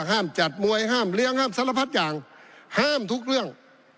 ห้ามจัดมวยห้ามเลี้ยงห้ามสารพัดอย่างห้ามทุกเรื่อง